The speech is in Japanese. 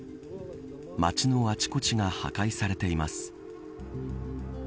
町のあちこちが破壊されています。